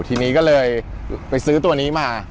ทีนี้ก็เลยไปซื้อตัวนี้มา